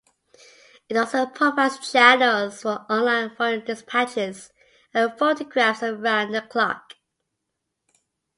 It also provides channels for online foreign dispatches and photographs around the clock.